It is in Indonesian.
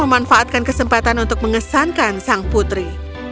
dan memanfaatkan kesempatan untuk mengesankan sang putri